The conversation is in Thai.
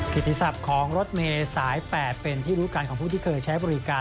คิดที่สับของรถเมษาย๘เป็นที่รู้กันของผู้ที่เคยใช้บริการ